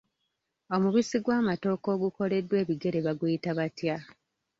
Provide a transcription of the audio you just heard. Omubisi gw'amatooke ogukoleddwa ebigere baguyita batya?